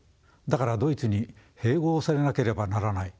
だからドイツに併合されなければならない。